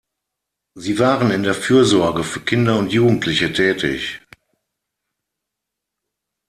Sie waren in der Fürsorge für Kinder und Jugendliche tätig.